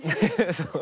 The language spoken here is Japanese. そう。